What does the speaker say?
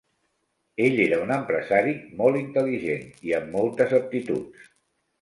Ell era un empresari molt intel·ligent i amb moltes aptituds.